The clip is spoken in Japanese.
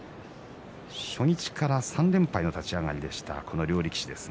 初日から３連敗の立ち上がりでしたこの両力士です。